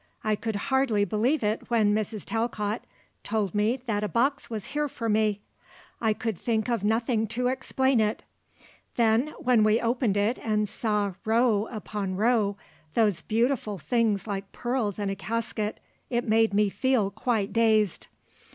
I could hardly believe it when Mrs. Talcott told me that a box was here for me. I could think of nothing to explain it. Then when we opened it and saw, row upon row, those beautiful things like pearls in a casket it made me feel quite dazed.